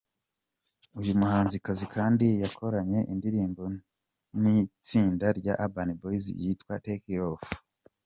Uyu muhanzikazi kandi yakoranye indirimbo n’itsinda rya Urban Boyz yitwa “Take it off”.